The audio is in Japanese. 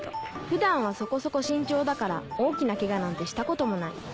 普段はそこそこ慎重だから大きなケガなんてしたこともない